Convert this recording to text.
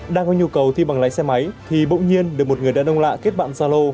đang có nhu cầu thi bằng lái xe máy thì bỗng nhiên được một người đàn ông lạ kết bạn gia lô